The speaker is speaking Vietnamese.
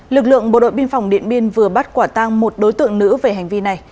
lực lượng bộ đội biên phòng điện biên vừa bắt quả tang một đối tượng nữ về hành vi này